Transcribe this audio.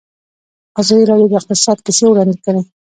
ازادي راډیو د اقتصاد کیسې وړاندې کړي.